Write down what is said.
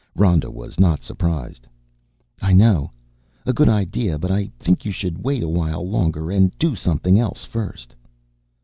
Rhoda was not surprised. "I know. A good idea but I think you should wait a while longer and do something else first."